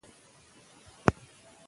مور په اسلام کې د درناوي وړ مقام لري.